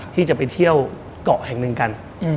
ที่จะไปเที่ยวเกาะแห่งหนึ่งกัน